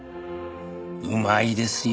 うまいですよ